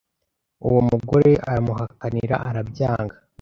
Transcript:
Uwo mugore aramuhakanira arabyanga